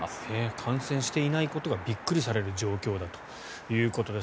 感染していないことがびっくりされる状況だということです。